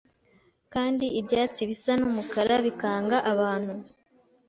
Kandi ibyatsi bisa numukara bikanga abantu